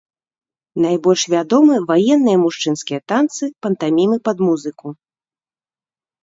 Найбольш вядомы ваенныя мужчынскія танцы, пантамімы пад музыку.